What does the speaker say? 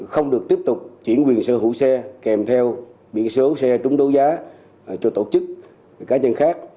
không được tiếp tục chuyển quyền sở hữu xe kèm theo biển số xe trúng đấu giá cho tổ chức cá nhân khác